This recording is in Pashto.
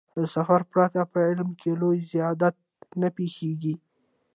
له سفر پرته په علم کې لويه زيادت نه پېښېږي.